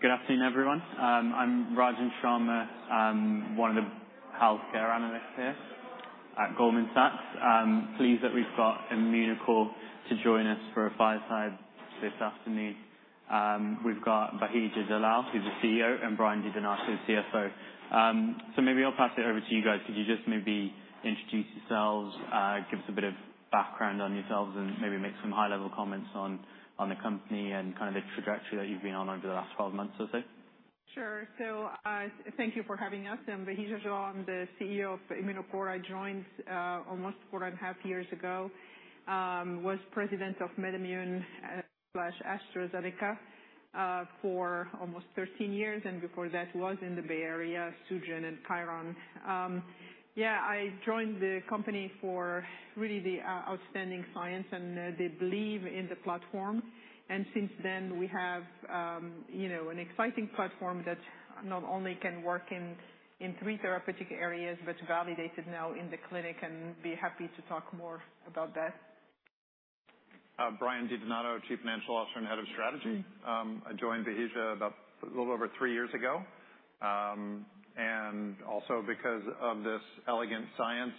Good afternoon, everyone. I'm Rajan Sharma. I'm one of the healthcare analysts here at Goldman Sachs. I'm pleased that we've got Immunocore to join us for a fireside this afternoon. We've got Bahija Jallal, who's the CEO, and Brian DiDonato, CFO. Maybe I'll pass it over to you guys. Could you just maybe introduce yourselves, give us a bit of background on yourselves, and maybe make some high-level comments on the company and kind of the trajectory that you've been on over the last 12 months or so? Sure. Thank you for having us. I'm Bahija Jallal, I'm the CEO of Immunocore. I joined almost 4.5 years ago. Was president of MedImmune/AstraZeneca for almost 13 years, and before that, was in the Bay Area, Sugen and Chiron. Yeah, I joined the company for really the outstanding science, and they believe in the platform. Since then, we have, you know, an exciting platform that not only can work in three therapeutic areas, but validated now in the clinic, and be happy to talk more about that. Brian DiDonato, Chief Financial Officer and Head of Strategy. I joined Bahija about a little over three years ago. Also because of this elegant science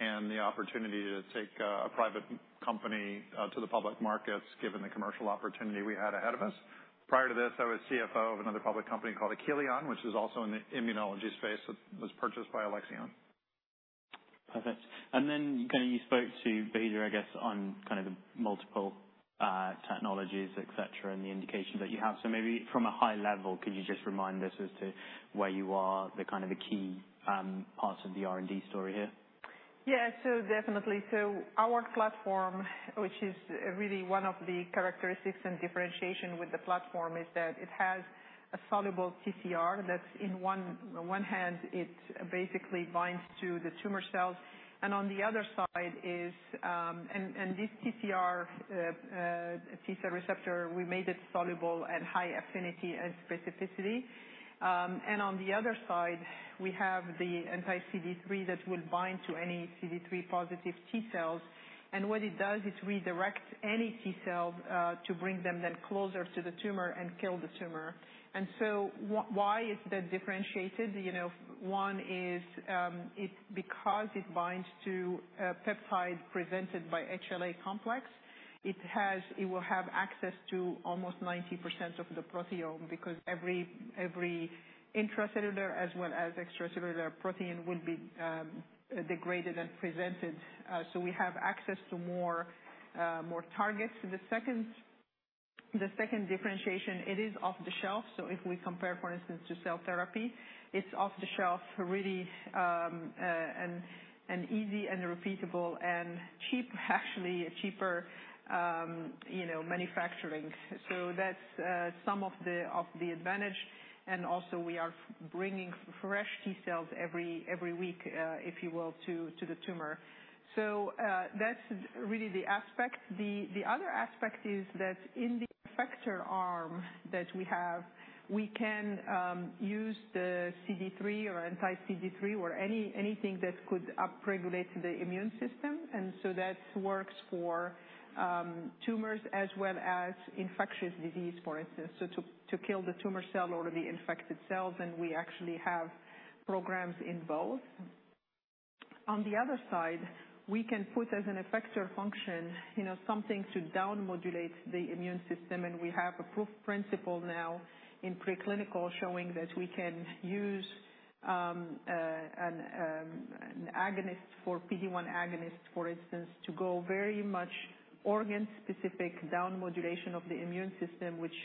and the opportunity to take a private company to the public markets, given the commercial opportunity we had ahead of us. Prior to this, I was CFO of another public company called Achillion, which is also in the immunology space, that was purchased by Alexion. Perfect. kind of, you spoke to Bahija, I guess, on kind of the multiple technologies, et cetera, and the indications that you have. From a high level, could you just remind us as to where you are, the kind of the key parts of the R&D story here? Yeah, definitely. Our platform, which is really one of the characteristics and differentiation with the platform, is that it has a soluble TCR that's on one hand, it basically binds to the tumor cells, and on the other side is. This TCR, T-cell receptor, we made it soluble at high affinity and specificity. On the other side, we have the anti-CD3 that will bind to any CD3-positive T-cells. What it does is redirect any T-cell to bring them then closer to the tumor and kill the tumor. Why is that differentiated? You know, one is, it's because it binds to a peptide presented by HLA complex, it will have access to almost 90% of the proteome, because every intracellular as well as extracellular protein will be degraded and presented. We have access to more targets. The second differentiation, it is off the shelf, if we compare, for instance, to cell therapy, it's off the shelf really an easy and repeatable and cheap, actually cheaper, you know, manufacturing. That's some of the advantage, and also we are bringing fresh T-cells every week, if you will, to the tumor. That's really the aspect. The other aspect is that in the effector arm that we have, we can use the CD3 or anti-CD3 or anything that could upregulate the immune system. That works for tumors as well as infectious disease, for instance, so to kill the tumor cell or the infected cells, and we actually have programs in both. On the other side, we can put as an effector function, you know, something to down modulate the immune system, and we have a proof principle now in preclinical showing that we can use an agonist for PD-1 agonist, for instance, to go very much organ-specific down modulation of the immune system, which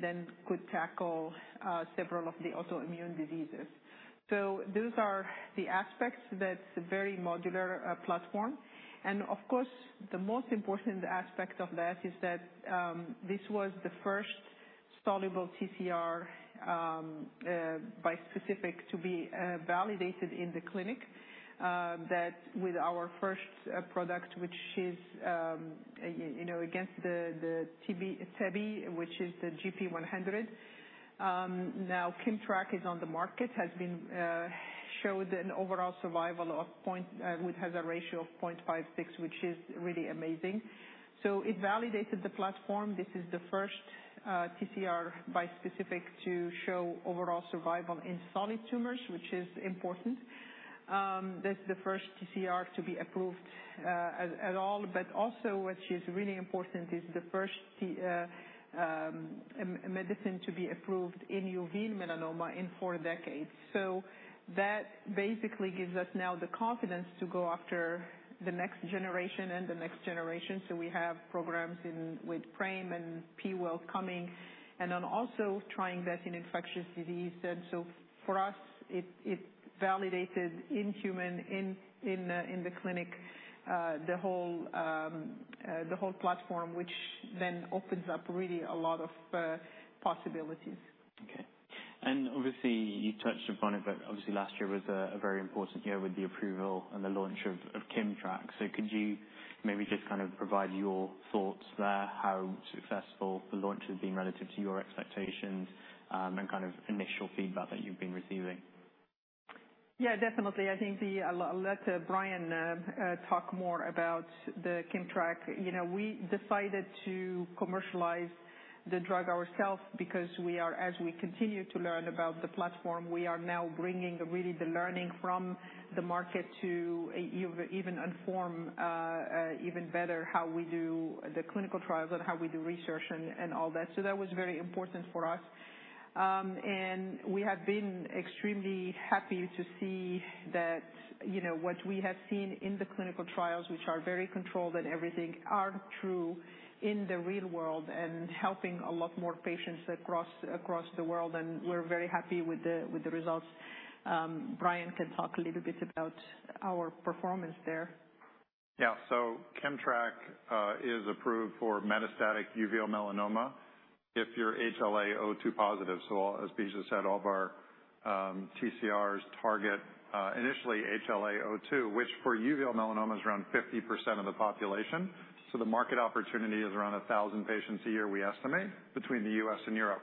then could tackle several of the autoimmune diseases. Those are the aspects. That's a very modular platform. Of course, the most important aspect of that is that this was the first soluble TCR bispecific to be validated in the clinic. That with our first product, which is, you know, against the tebentafusp, which is the gp100. Now KIMMTRAK is on the market, has been showed an overall survival, which has a ratio of 0.56, which is really amazing. It validated the platform. This is the first TCR bispecific to show overall survival in solid tumors, which is important. That's the first TCR to be approved at all. Also, which is really important, is the first medicine to be approved in uveal melanoma in four decades. That basically gives us now the confidence to go after the next generation and the next generation. We have programs with PRAME and PIWIL1 coming, and I'm also trying that in infectious disease. For us, it validated in human, in the clinic, the whole, the whole platform, which then opens up really a lot of possibilities. Okay. Obviously, you touched upon it, but obviously last year was a very important year with the approval and the launch of KIMMTRAK. Could you maybe just kind of provide your thoughts there, how successful the launch has been relative to your expectations, and kind of initial feedback that you've been receiving? Yeah, definitely. I think I'll let Brian talk more about the KIMMTRAK. You know, we decided to commercialize the drug ourselves because we are, as we continue to learn about the platform, we are now bringing really the learning from the market to even inform even better, how we do the clinical trials and how we do research and all that. That was very important for us. We have been extremely happy to see that, you know, what we have seen in the clinical trials, which are very controlled and everything, are true in the real world and helping a lot more patients across the world, and we're very happy with the results. Brian can talk a little bit about our performance there. Yeah. KIMMTRAK is approved for metastatic uveal melanoma if you're HLA-A*02:01 positive. As Bahija said, all of our TCRs target initially HLA-A*02:01, which for uveal melanoma is around 50% of the population. The market opportunity is around 1,000 patients a year, we estimate, between the U.S. and Europe.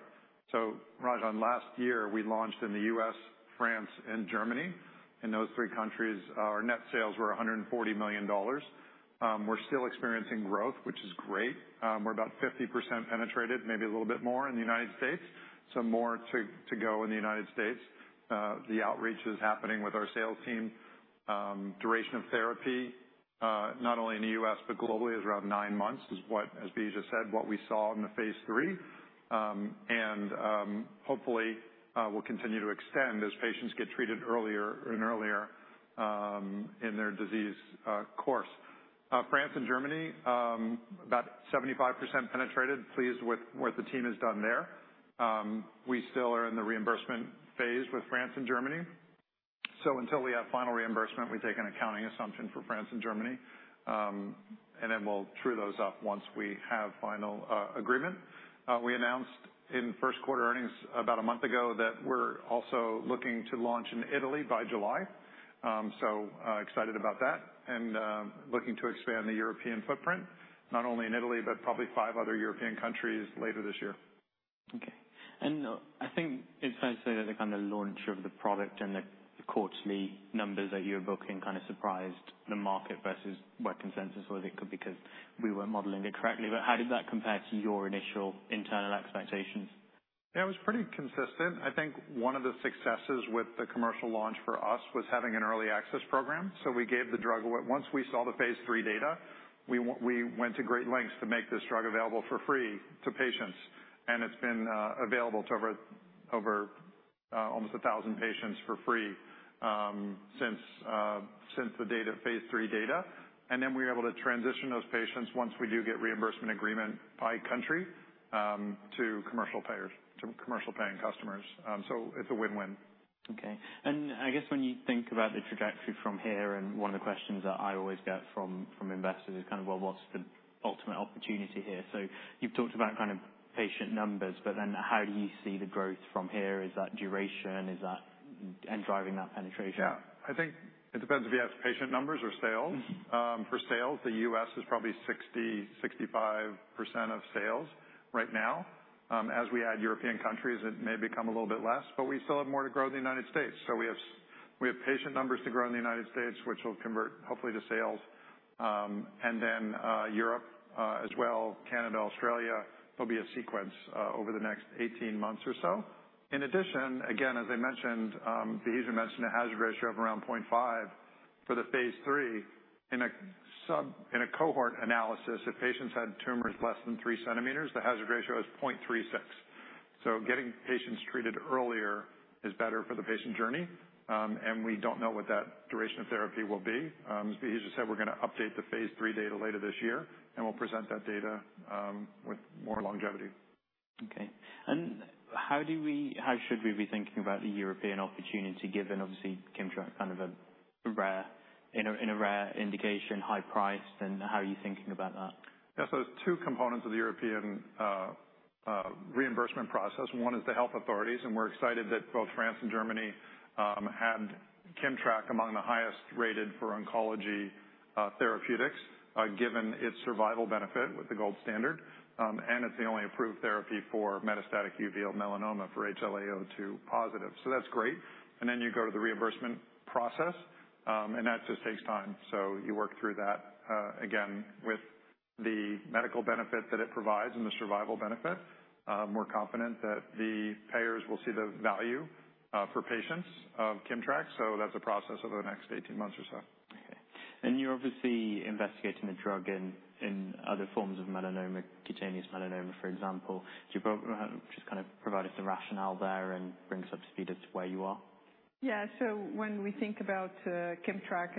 Rajan, last year, we launched in the U.S., France, and Germany. In those three countries, our net sales were $140 million. We're still experiencing growth, which is great. We're about 50% penetrated, maybe a little bit more in the United States, more to go in the United States. The outreach is happening with our sales team. Duration of therapy, not only in the U.S. but globally, is around nine months, is what, as Bahija said, what we saw in the phase III. Hopefully, we'll continue to extend as patients get treated earlier and earlier in their disease course. France and Germany, about 75% penetrated. Pleased with what the team has done there. We still are in the reimbursement phase with France and Germany, until we have final reimbursement, we take an accounting assumption for France and Germany. We'll true those up once we have final agreement. We announced in first quarter earnings about a month ago that we're also looking to launch in Italy by July. Excited about that, and looking to expand the European footprint, not only in Italy, but probably five other European countries later this year. Okay. I think it's fair to say that the kind of launch of the product and the quarterly numbers that you're booking kind of surprised the market versus what consensus was. It could be because we weren't modeling it correctly, but how did that compare to your initial internal expectations? Yeah, it was pretty consistent. I think one of the successes with the commercial launch for us was having an early access program. We gave the drug away. Once we saw the phase III data, we went to great lengths to make this drug available for free to patients, and it's been available to over almost 1,000 patients for free since the data, phase III data. Then we were able to transition those patients once we do get reimbursement agreement by country, to commercial payers, to commercial paying customers. It's a win-win. Okay. I guess when you think about the trajectory from here, one of the questions that I always get from investors is kind of: Well, what's the ultimate opportunity here? You've talked about kind of patient numbers, how do you see the growth from here? Is that duration? and driving that penetration? Yeah. I think it depends if you ask patient numbers or sales. Mm-hmm. For sales, the U.S. is probably 60% to 65% of sales right now. As we add European countries, it may become a little bit less, but we still have more to grow in the United States. We have patient numbers to grow in the United States, which will convert hopefully to sales. Europe, as well, Canada, Australia, will be a sequence over the next 18 months or so. In addition, again, as I mentioned, Bahija mentioned a hazard ratio of around 0.5 for the phase III. In a cohort analysis, if patients had tumors less than 3 centimeters, the hazard ratio is 0.36. Getting patients treated earlier is better for the patient journey. We don't know what that duration of therapy will be. As Bahija said, we're gonna update the phase III data later this year. We'll present that data with more longevity. Okay. how should we be thinking about the European opportunity, given obviously, KIMMTRAK, kind of a rare, in a, in a rare indication, high priced, and how are you thinking about that? Yeah, two components of the European reimbursement process. One is the health authorities, and we're excited that both France and Germany had KIMMTRAK among the highest rated for oncology therapeutics given its survival benefit with the gold standard. It's the only approved therapy for metastatic uveal melanoma for HLA-A*02:01 positive. That's great. Then you go to the reimbursement process, and that just takes time. You work through that again, with the medical benefit that it provides and the survival benefit. We're confident that the payers will see the value for patients of KIMMTRAK, that's a process over the next 18 months or so. Okay. You're obviously investigating the drug in other forms of melanoma, cutaneous melanoma, for example. Could you provide us the rationale there and bring us up to speed as to where you are? Yeah. When we think about KIMMTRAK,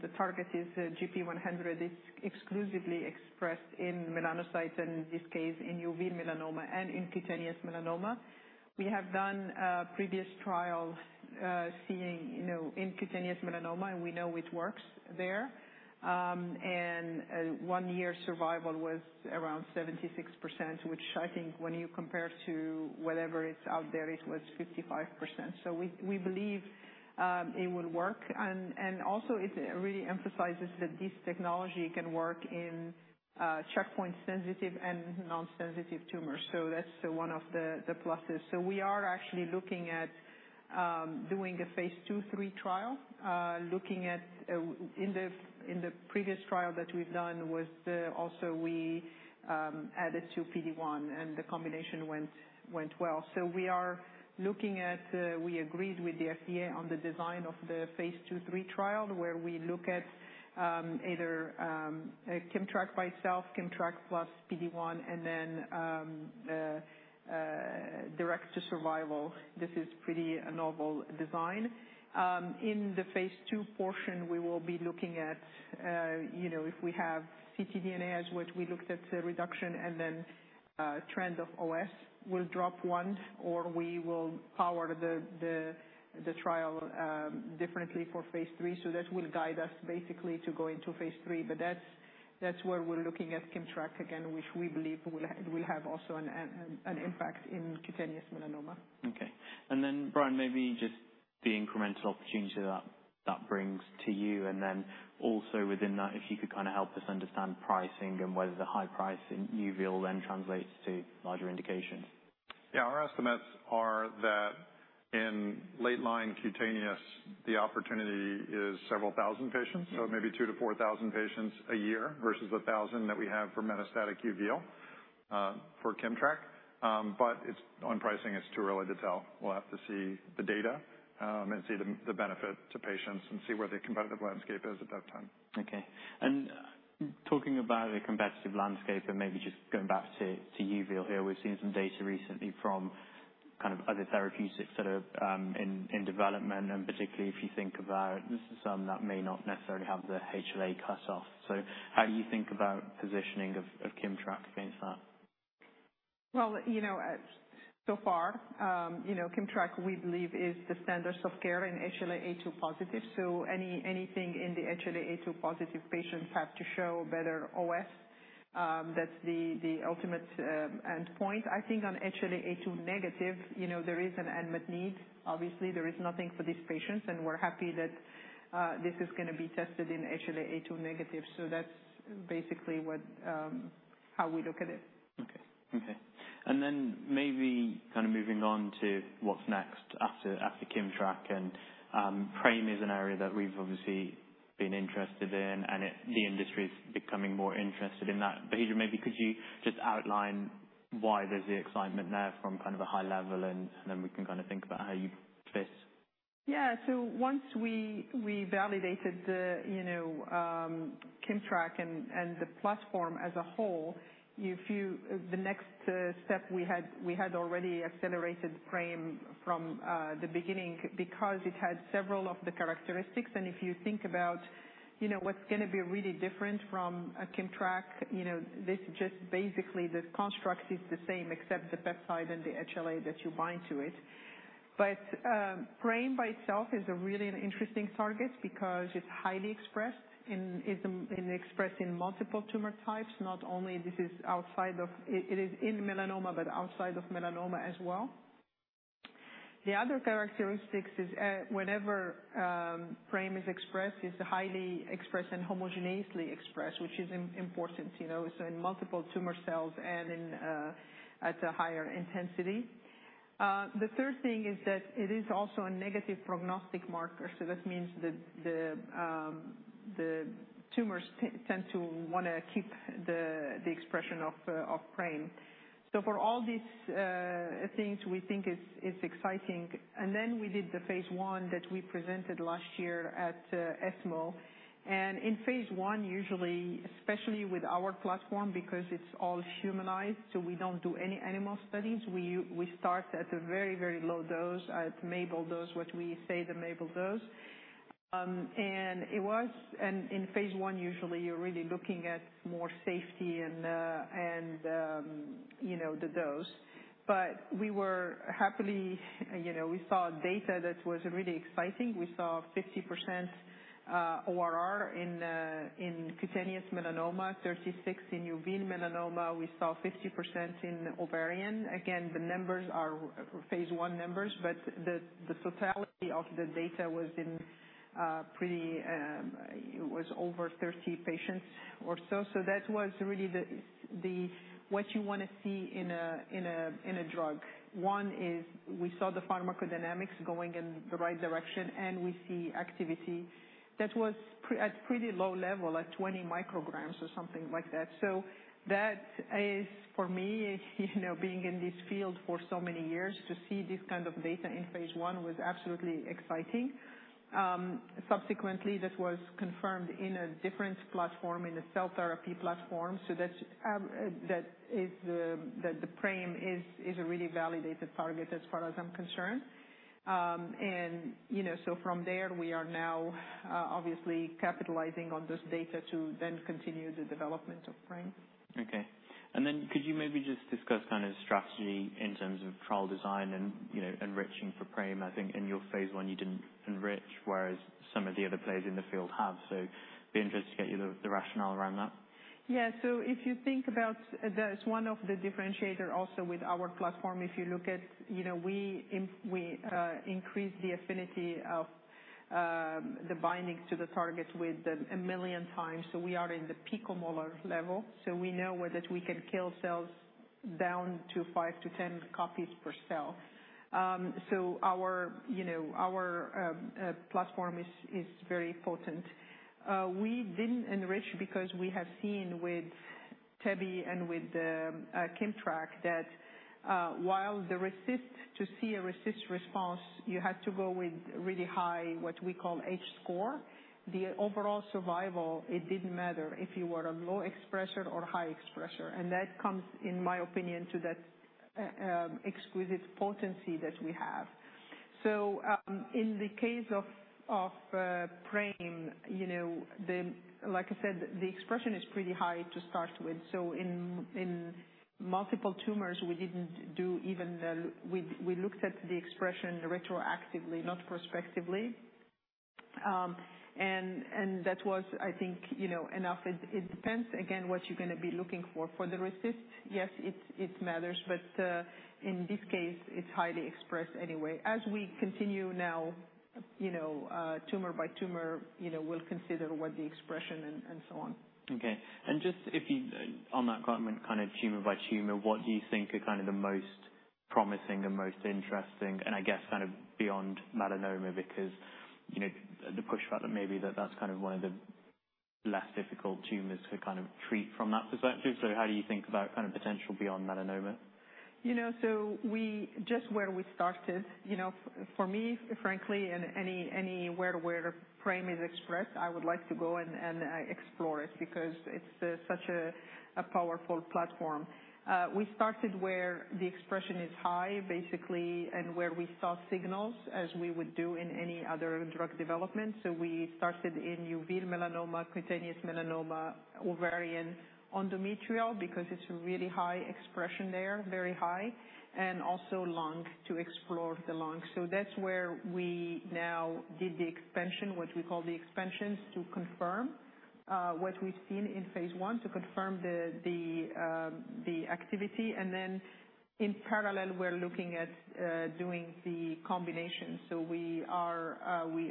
the target is gp100, it's exclusively expressed in melanocytes, and in this case, in uveal melanoma and in cutaneous melanoma. We have done previous trials, seeing, you know, in cutaneous melanoma, and we know it works there. One year survival was around 76%, which I think when you compare to whatever is out there, it was 55%. We believe it will work. Also it really emphasizes that this technology can work in checkpoint sensitive and non-sensitive tumors. That's one of the pluses. We are actually looking at... doing a phase 2/3 trial, looking at, in the previous trial that we've done was, also we, added to PD-1, and the combination went well. We are looking at, we agreed with the FDA on the design of the phase 2/3 trial, where we look at, either, a KIMMTRAK by itself, KIMMTRAK plus PD-1, and then, direct to survival. This is pretty a novel design. In the phase II portion, we will be looking at, you know, if we have ctDNA, as which we looked at the reduction, and then, trend of OS will drop once or we will power the trial differently for phase III. That will guide us basically to go into phase III. That's where we're looking at KIMMTRAK again, which we believe will have also an impact in cutaneous melanoma. Okay. Brian, maybe just the incremental opportunity that brings to you, and then also within that, if you could kind of help us understand pricing and whether the high price in uveal then translates to larger indications? Our estimates are that in late line cutaneous, the opportunity is several thousand patients, so maybe 2,000 patients to 4,000 patients a year versus 1,000 that we have for metastatic uveal for KIMMTRAK. On pricing, it's too early to tell. We'll have to see the data and see the benefit to patients and see where the competitive landscape is at that time. Okay. Talking about the competitive landscape, maybe just going back to uveal here, we've seen some data recently from kind of other therapeutics that are in development, particularly if you think about some that may not necessarily have the HLA cut-off. How do you think about positioning of KIMMTRAK against that? Well, you know, so far, you know, KIMMTRAK, we believe, is the standards of care in HLA-A*02:01 positive. Anything in the HLA-A*02:01 positive patients have to show better OS. That's the ultimate end point. I think on HLA-A*02:01 negative, you know, there is an unmet need. Obviously, there is nothing for these patients, and we're happy that this is gonna be tested in HLA-A*02:01 negative. That's basically what how we look at it. Okay. Okay. Then maybe kind of moving on to what's next after KIMMTRAK and PRAME is an area that we've obviously been interested in, and the industry is becoming more interested in that. Bahija, maybe could you just outline why there's the excitement there from kind of a high level, and then we can kind of think about how you fit? Yeah. Once we validated the, you know, KIMMTRAK and the platform as a whole, the next step we had already accelerated PRAME from the beginning because it had several of the characteristics. If you think about, you know, what's gonna be really different from a KIMMTRAK, you know, this just basically the construct is the same, except the peptide and the HLA that you bind to it. PRAME by itself is a really an interesting target because it's highly expressed in expressing multiple tumor types, not only it is in melanoma, but outside of melanoma as well. The other characteristics is, whenever PRAME is expressed, it's highly expressed and homogeneously expressed, which is important, you know, in multiple tumor cells and at a higher intensity. The third thing is that it is also a negative prognostic marker. That means that the tumors tend to wanna keep the expression of PRAME. For all these things, we think it's exciting. Then we did the phase I that we presented last year at ESMO. In phase I, usually, especially with our platform, because it's all humanized, we don't do any animal studies. We start at a very, very low dose, at MABEL dose, what we say the MABEL dose. It was, and in phase I, usually, you're really looking at more safety and, you know, the dose. We were happily, you know, we saw data that was really exciting. We saw 50% ORR in cutaneous melanoma, 36 in uveal melanoma. We saw 50% in ovarian. Again, the numbers are phase I numbers, but the totality of the data was in, pretty, it was over 30 patients or so. That was really the, what you wanna see in a, in a, in a drug. One is we saw the pharmacodynamics going in the right direction, and we see activity that was at pretty low level, at 20 micrograms or something like that. That is, for me, you know, being in this field for so many years, to see this kind of data in phase I was absolutely exciting. Subsequently, that was confirmed in a different platform, in a cell therapy platform, so that the PRAME is a really validated target as far as I'm concerned. You know, from there, we are now obviously capitalizing on this data to then continue the development of PRAME. Okay. Could you maybe just discuss kind of the strategy in terms of trial design and, you know, enriching for PRAME? I think in your phase I, you didn't enrich, whereas some of the other players in the field have. Be interested to get you the rationale around that. Yeah. If you think about, that's one of the differentiator also with our platform. If you look at, you know, we increase the affinity of the binding to the target with 1 million times. We are in the picomolar level, so we know whether we can kill cells down to five to 10 copies per cell. Our, you know, our platform is very potent. We didn't enrich because we have seen with tebentafusp and with KIMMTRAK that, while to see a RECIST response, you had to go with really high, what we call H-score. The overall survival, it didn't matter if you were a low expresser or high expresser, that comes, in my opinion, to that exquisite potency that we have. In the case of PRAME, you know, like I said, the expression is pretty high to start with. In multiple tumors, we didn't do. We looked at the expression retroactively, not prospectively. That was, I think, you know, enough. It depends, again, what you're gonna be looking for. For the resist, yes, it matters, but in this case, it's highly expressed anyway. We continue now, you know, tumor by tumor, you know, we'll consider what the expression and so on. Okay. Just if you, on that comment, kind of tumor by tumor, what do you think are kind of the most promising and most interesting, and I guess kind of beyond melanoma, because, you know, the push factor may be that that's kind of one of the less difficult tumors to kind of treat from that perspective? How do you think about kind of potential beyond melanoma? You know, just where we started, you know, for me, frankly, in any, anywhere where PRAME is expressed, I would like to go and explore it because it's such a powerful platform. We started where the expression is high, basically, and where we saw signals as we would do in any other drug development. We started in uveal melanoma, cutaneous melanoma, ovarian endometrial, because it's really high expression there, very high, and also lung, to explore the lung. That's where we now did the expansion, which we call the expansions, to confirm what we've seen in phase I, to confirm the activity. In parallel, we're looking at doing the combination. We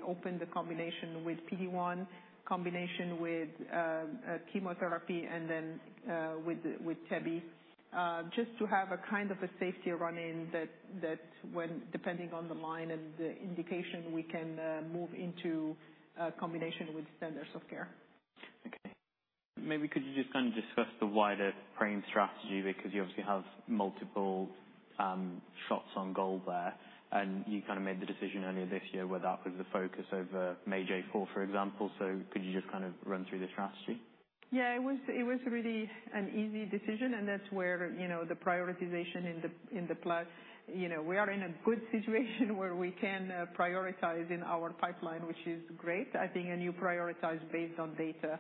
opened the combination with PD-1, combination with chemotherapy, and then with tebentafusp. Just to have a kind of a safety running in that when, depending on the line and the indication, we can move into a combination with standards of care. Maybe could you just kind of discuss the wider PRAME strategy, because you obviously have multiple shots on goal there, and you kind of made the decision earlier this year where that was the focus over MAGE-A4, for example. Could you just kind of run through the strategy? Yeah, it was, it was really an easy decision, and that's where, you know, the prioritization in the, in the pipe- You know, we are in a good situation where we can prioritize in our pipeline, which is great. I think, you prioritize based on data.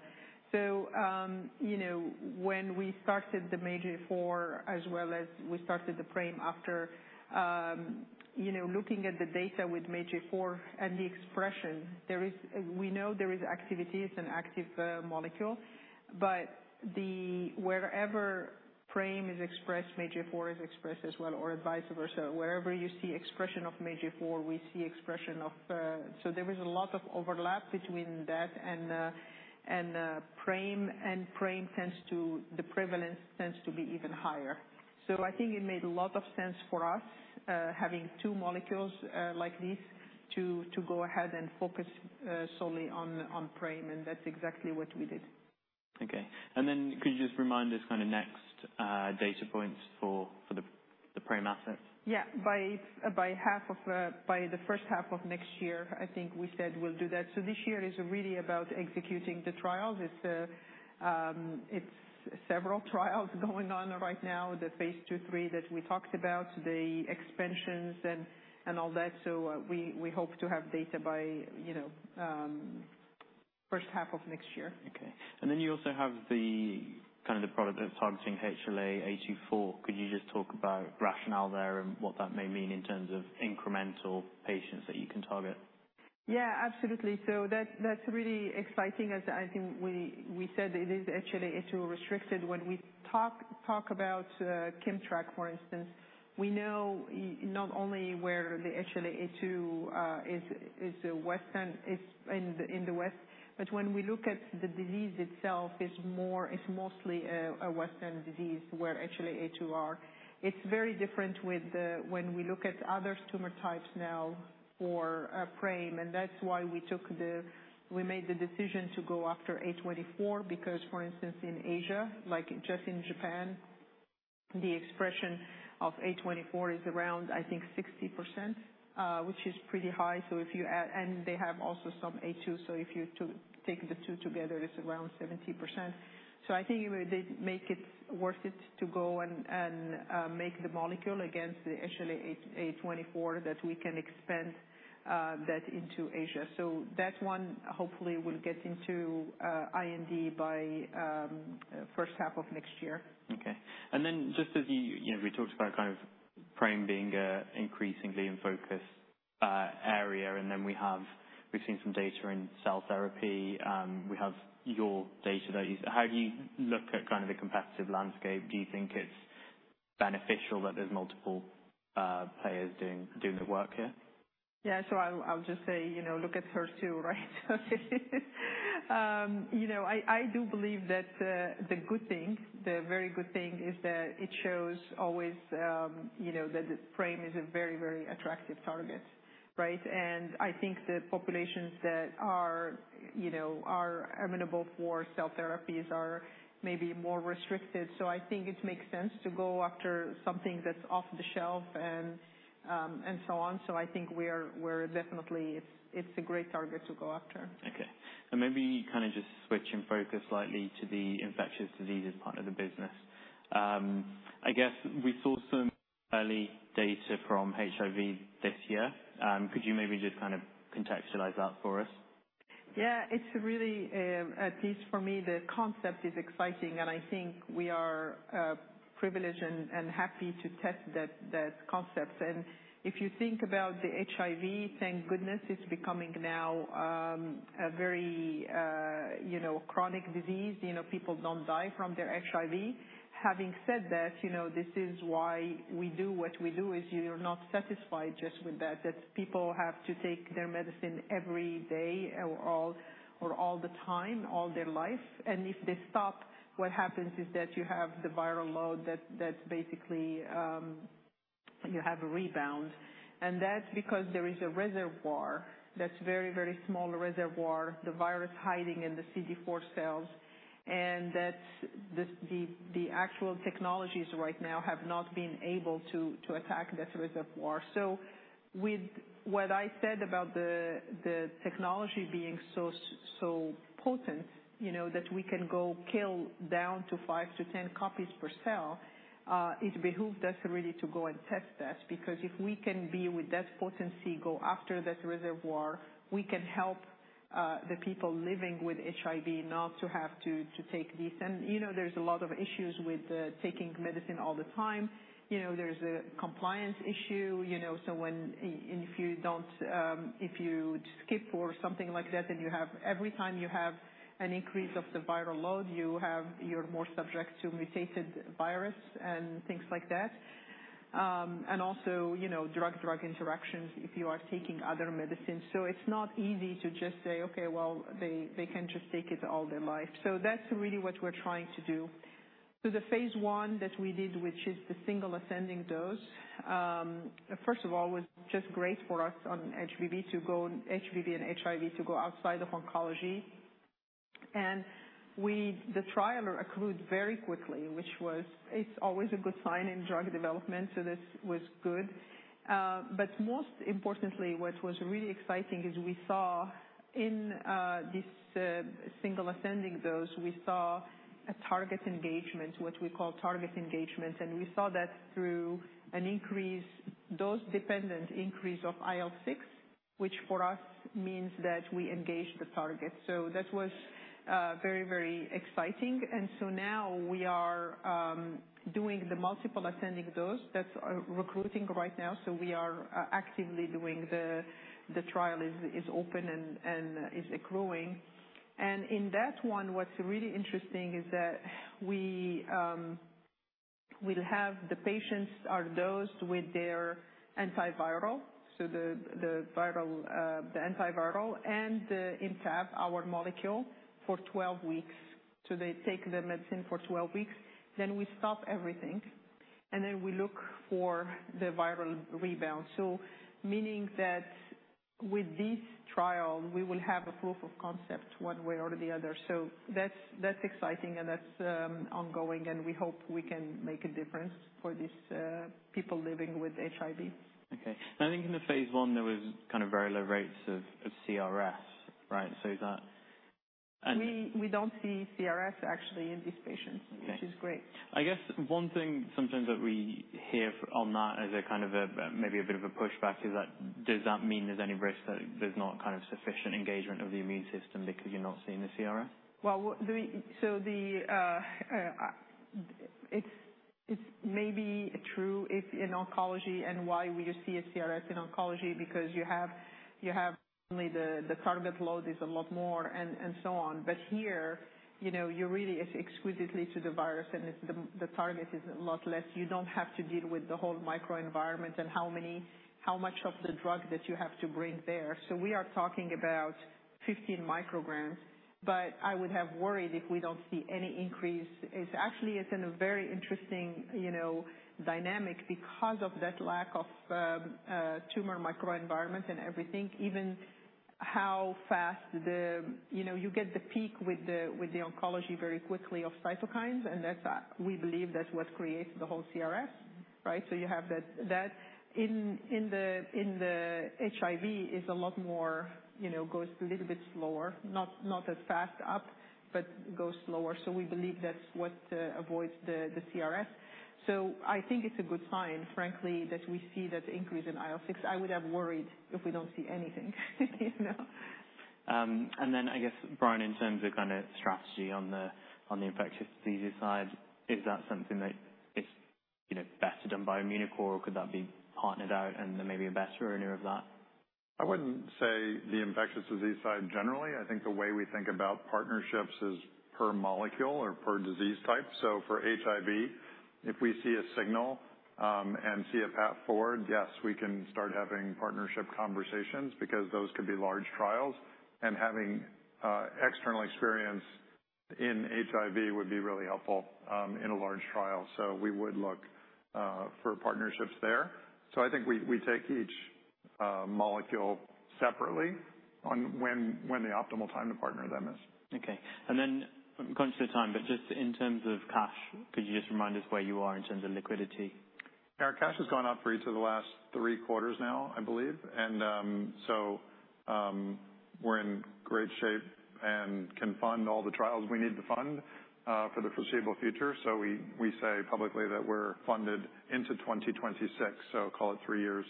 When we started the MAGE-A4, as well as we started the PRAME after, you know, looking at the data with MAGE-A4 and the expression, we know there is activities, an active molecule. The, wherever PRAME is expressed, MAGE-A4 is expressed as well, or vice versa. Wherever you see expression of MAGE-A4, we see expression of. There is a lot of overlap between that and PRAME, and PRAME tends to, the prevalence tends to be even higher. I think it made a lot of sense for us, having two molecules, like this, to go ahead and focus, solely on PRAME, and that's exactly what we did. Okay. Then could you just remind us kind of next data points for the PRAME assets? Yeah. By half of, by the first half of next year, I think we said we'll do that. This year is really about executing the trials. It's several trials going on right now, the phase 2/3 that we talked about, the expansions and all that. We hope to have data by, you know, first half of next year. Okay. You also have the, kind of the product that's targeting HLA-A24. Could you just talk about rationale there and what that may mean in terms of incremental patients that you can target? Yeah, absolutely. That's really exciting, as I think we said it is HLA-A2 restricted. When we talk about KIMMTRAK, for instance, we know not only where the HLA-A2 is a Western, is in the West, but when we look at the disease itself, it's mostly a Western disease, where HLA-A2 are. It's very different with the when we look at other tumor types now or PRAME, and that's why we made the decision to go after A24, because, for instance, in Asia, like just in Japan, the expression of A24 is around, I think, 60%, which is pretty high. If you add, they have also some A2, so if you take the two together, it's around 70%. I think it would make it worth it to go and make the molecule against the HLA-A24, that we can expand that into Asia. That one, hopefully will get into IND by first half of next year. Okay. Just as you know, we talked about kind of PRAME being increasingly in focus area, we've seen some data in cell therapy. We have your data that you... How do you look at kind of the competitive landscape? Do you think it's beneficial that there's multiple players doing the work here? Yeah, so I'll just say, you know, look at HER2, right? You know, I do believe that the good thing, the very good thing, is that it shows always, you know, that PRAME is a very attractive target, right? I think the populations that are, you know, are amenable for cell therapies are maybe more restricted. I think we're definitely, it's a great target to go after. Okay. Maybe kind of just switching focus slightly to the infectious diseases part of the business. I guess we saw some early data from HIV this year. Could you maybe just kind of contextualize that for us? Yeah, it's really, at least for me, the concept is exciting, and I think we are privileged and happy to test that concept. If you think about the HIV, thank goodness, it's becoming now, a very, you know, chronic disease. You know, people don't die from their HIV. Having said that, you know, this is why we do what we do, is you're not satisfied just with that, people have to take their medicine every day or all the time, all their life. If they stop, what happens is that you have the viral load that basically, you have a rebound. That's because there is a reservoir that's very small reservoir, the virus hiding in the CD4 cells, and that's the actual technologies right now have not been able to attack this reservoir. With what I said about the technology being so potent, you know, that we can go kill down to five to 10 copies per cell, it behooves us really to go and test that. If we can be with that potency, go after that reservoir, we can help the people living with HIV not to have to take this. You know, there's a lot of issues with taking medicine all the time. You know, there's a compliance issue, you know, if you don't, if you skip or something like that, then every time you have an increase of the viral load, you're more subject to mutated virus and things like that. And also, you know, drug-drug interactions if you are taking other medicines. It's not easy to just say, "Okay, well, they can just take it all their life." That's really what we're trying to do. The phase I that we did, which is the single ascending dose, first of all, it was just great for us on HBV to go, HBV and HIV, to go outside of oncology. The trial accrued very quickly, which was... It's always a good sign in drug development, so this was good. But most importantly, what was really exciting is we saw in this single ascending dose, we saw a target engagement, what we call target engagement. We saw that through an increase, dose-dependent increase of IL-6, which for us means that we engaged the target. That was very, very exciting. Now we are doing the multiple ascending dose. That's recruiting right now, we are actively doing the trial is open and is accruing. In that one, what's really interesting is that we'll have the patients are dosed with their antiviral, so the viral, the antiviral and the ImmTAV, our molecule, for 12 weeks. They take the medicine for 12 weeks, we stop everything, and then we look for the viral rebound. Meaning that with this trial, we will have a proof of concept one way or the other. That's exciting, and that's ongoing, and we hope we can make a difference for these people living with HIV. Okay. I think in the phase I, there was kind of very low rates of CRS, right? Is that? We don't see CRS actually in these patients. Okay. which is great. I guess one thing sometimes that we hear on that as a kind of a, maybe a bit of a pushback, is that does that mean there's any risk that there's not kind of sufficient engagement of the immune system because you're not seeing the CRS? What, the, it's maybe true if in oncology and why we see a CRS in oncology, because you have only the target load is a lot more and so on. Here, you know, you're really exquisitely to the virus and it's the target is a lot less. You don't have to deal with the whole microenvironment and how much of the drug that you have to bring there. We are talking about 15 micrograms, but I would have worried if we don't see any increase. It's actually, it's in a very interesting, you know, dynamic because of that lack of tumor microenvironment and everything. Even how fast the... You know, you get the peak with the oncology very quickly of cytokines. That's, we believe, what creates the whole CRS, right? You have that. In the HIV is a lot more, you know, goes a little bit slower, not as fast up. Goes slower. We believe that's what avoids the CRS. I think it's a good sign, frankly, that we see that increase in IL-6. I would have worried if we don't see anything, you know? I guess, Brian, in terms of kind of strategy on the, on the infectious disease side, is that something that is, you know, better done by Immunocore, or could that be partnered out and there may be a better owner of that? I wouldn't say the infectious disease side generally. I think the way we think about partnerships is per molecule or per disease type. For HIV, if we see a signal, and see a path forward, yes, we can start having partnership conversations, because those could be large trials, and having external experience in HIV would be really helpful in a large trial. We would look for partnerships there. I think we take each molecule separately on when the optimal time to partner them is. Okay, conscious of the time, but just in terms of cash, could you just remind us where you are in terms of liquidity? Our cash has gone up for each of the last three quarters now, I believe. We're in great shape and can fund all the trials we need to fund for the foreseeable future. We, we say publicly that we're funded into 2026, so call it three years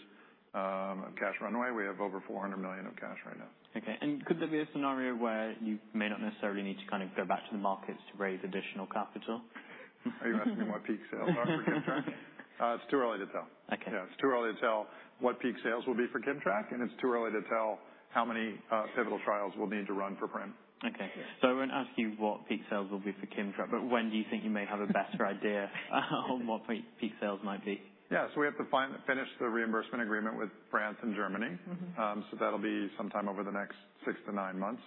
of cash runway. We have over $400 million of cash right now. Okay. Could there be a scenario where you may not necessarily need to kind of go back to the markets to raise additional capital? Are you asking me what peak sales are for KIMMTRAK? It's too early to tell. Okay. It's too early to tell what peak sales will be for KIMMTRAK, and it's too early to tell how many pivotal trials we'll need to run for PRAME. I won't ask you what peak sales will be for KIMMTRAK, but when do you think you may have a better idea on what peak sales might be? Yeah. We have to finish the reimbursement agreement with France and Germany. Mm-hmm. That'll be sometime over the next six to nine months.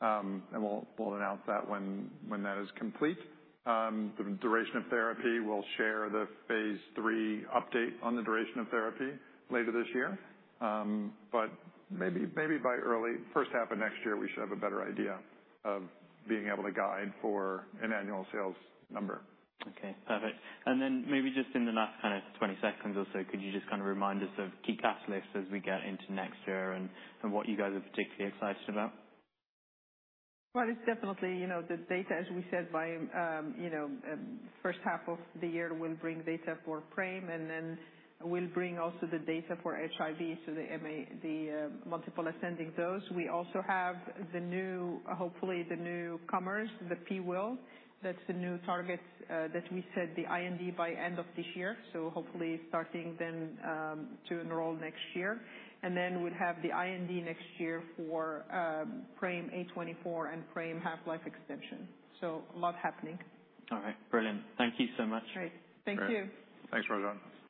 We'll announce that when that is complete. The duration of therapy, we'll share the phase III update on the duration of therapy later this year. Maybe by early first half of next year, we should have a better idea of being able to guide for an annual sales number. Okay, perfect. Maybe just in the last kind of 20 seconds or so, could you just kind of remind us of key catalysts as we get into next year and what you guys are particularly excited about? Well, it's definitely, you know, the data, as we said, by, you know, first half of the year will bring data for PRAME, and then we'll bring also the data for HIV, so the multiple ascending dose. We also have the new, hopefully the newcomers, the PIWIL1. That's the new target, that we set the IND by end of this year. Hopefully starting then, to enroll next year. We'd have the IND next year for PRAME A24 and PRAME half-life extension. A lot happening. All right, brilliant. Thank you so much. Great. Thank you. Thanks Rajan.